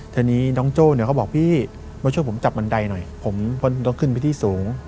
ทีนี้น้องโจ้เนี่ยเขาบอกพี่มาช่วยผมจับบันไดหน่อยผมต้องขึ้นไปที่สูง